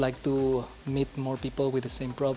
jadi saya ingin bertemu dengan lebih banyak orang